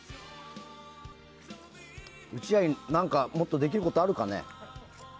うちらに何か、もっとできることあるかね。